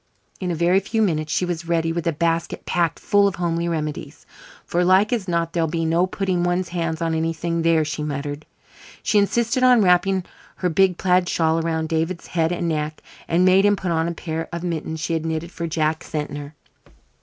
In a very few minutes she was ready, with a basket packed full of homely remedies, "for like as not there'll be no putting one's hand on anything there," she muttered. She insisted on wrapping her big plaid shawl around David's head and neck, and made him put on a pair of mittens she had knitted for Jack Sentner.